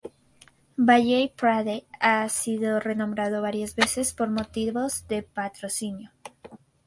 Valley Parade ha sido renombrado varias veces por motivos de patrocinio.